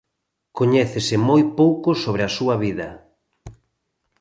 Coñécese moi pouco sobre a súa vida.